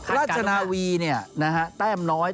ราชนาวีเนี่ยแต่มน้อย